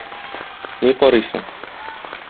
Ни карыйсың?